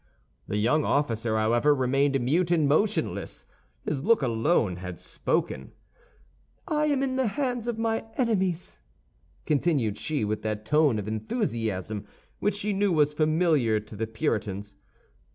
The young officer, however, remained mute and motionless; his look alone had spoken. "I am in the hands of my enemies," continued she, with that tone of enthusiasm which she knew was familiar to the Puritans.